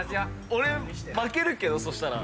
俺負けるけどそしたら。